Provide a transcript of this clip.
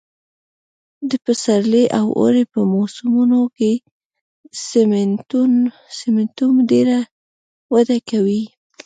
د پسرلي او اوړي په موسمونو کې سېمنټوم ډېره وده کوي